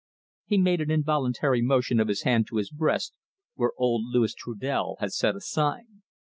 He made an involuntary motion of his hand to his breast, where old Louis Trudel had set a sign.